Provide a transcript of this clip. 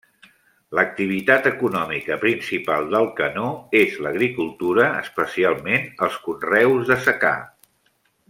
L'activitat econòmica principal d'Alcanó és l'agricultura, especialment els conreus de secà.